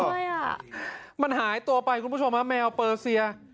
โอ้โหมันหายตัวไปคุณผู้ชมแมวเปอร์เซีย